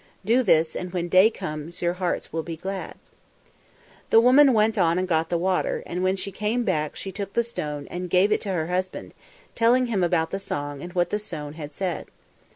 Do this, and when day comes your hearts will be glad." The woman went on and got the water, and when she came back she took the stone and gave it to her husband, telling him about the song and what the stone had said.